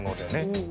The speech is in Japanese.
うん。